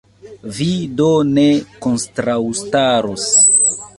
Vi do ne kontraŭstaros?